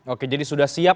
oke jadi sudah siap